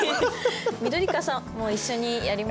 緑川さんも一緒にやりましょう？